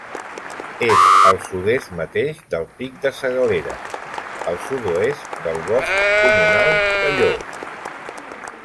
És al sud-est mateix del Pic de Segalera, al sud-oest del Bosc Comunal de Llo.